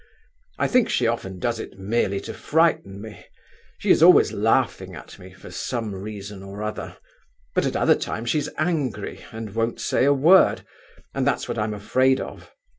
"I think she often does it merely to frighten me. She is always laughing at me, for some reason or other; but at other times she's angry, and won't say a word, and that's what I'm afraid of.